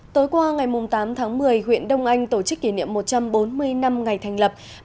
tối qua ngày tám tháng một mươi huyện đông anh tổ chức kỷ niệm một trăm bốn mươi năm ngày thành lập